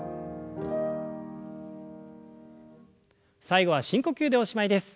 最後は深呼吸でおしまいです。